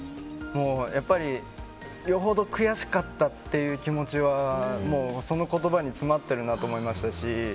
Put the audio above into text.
やっぱりよほど悔しかったという気持ちはその言葉に詰まってるなと思いましたし。